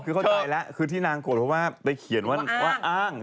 คือเข้าใจแล้วคือที่นางโกรธเพราะว่าไปเขียนว่าอ้าง